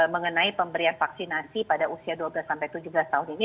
mengenai pemberian vaksinasi pada usia dua belas tujuh belas tahun ini